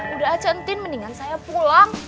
udah aja entin mendingan saya pulang